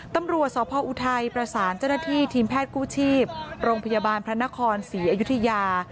ตำรวจสพออุทัยประสานเจ้าหน้าที่ทีมแพทย์กู้ชีพโรงพยาบาลพระนครศรีอยุธยา